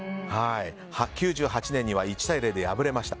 ９８年には１対０で敗れました。